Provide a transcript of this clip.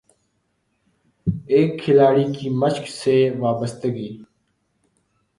ایک کھلاڑی کی مشق سے وابستگی